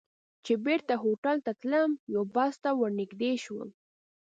زه چې بېرته هوټل ته تلم، یوه بس ته ور نږدې شوم.